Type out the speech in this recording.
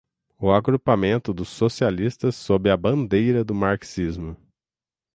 o agrupamento dos socialistas sob a bandeira do marxismo